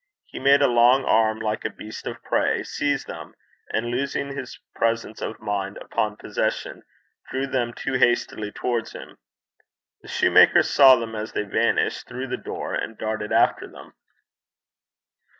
He made a long arm, like a beast of prey, seized them, and, losing his presence of mind upon possession, drew them too hastily towards him. The shoemaker saw them as they vanished through the door, and darted after them.